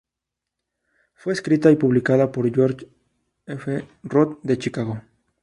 Fue escrita y publicada por George F. Root, de Chicago.